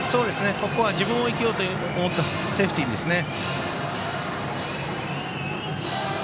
ここは自分も生きようとしたセーフティーですね。